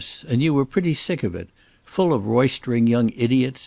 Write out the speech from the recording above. And you were pretty sick of it. Full of roistering young idiots.